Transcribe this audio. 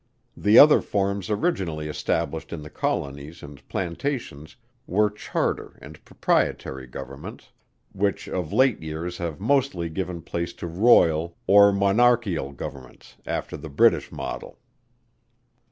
The other forms originally established in the Colonies and Plantations were charter and proprietory governments, which of late years have mostly given place to royal or monarchial governments, after the British model.